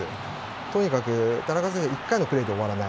とにかく、田中選手は１回のプレーで終わらない。